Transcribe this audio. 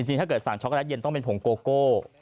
ถ้าเกิดสั่งช็อกโลตเย็นต้องเป็นผงโกโก้